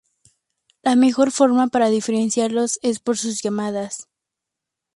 La mejor forma para diferenciarlos es por sus llamadas.